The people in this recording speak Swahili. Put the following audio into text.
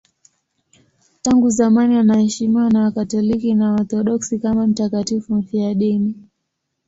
Tangu zamani anaheshimiwa na Wakatoliki na Waorthodoksi kama mtakatifu mfiadini.